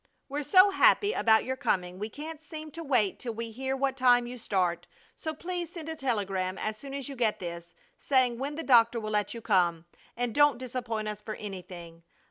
We're so happy about your coming we can't seem to wait till we hear what time you start, so please send a telegram as soon as you get this, saying when the doctor will let you come, and don't disappoint us for anything.